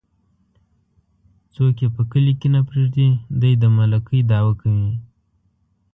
څوک يې په کلي کې نه پرېږدي ،دى د ملکۍ دعوه کوي.